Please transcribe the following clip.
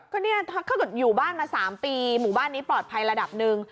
ก็เนี่ยถ้าเกิดอยู่บ้านมา๓ปีหมู่บ้านนี้ปลอดภัยระดับหนึ่ง